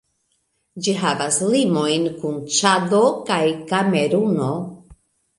Ĝi havas limojn kun Ĉado kaj Kameruno.